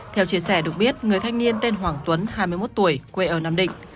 theo chia sẻ được biết người thanh niên tên hoàng tuấn hai mươi một tuổi quê ở nam định